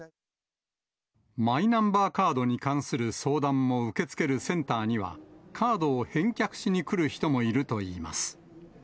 マイナンバーカードに関する相談も受け付けるセンターには、カードを返却しに来る人もいるといいます。